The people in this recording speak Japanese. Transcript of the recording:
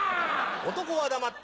男は黙って。